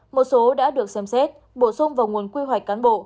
một số đã được xem xét bổ sung vào nguồn quy hoạch